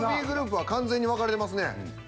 Ｂグループは完全に分かれてますね。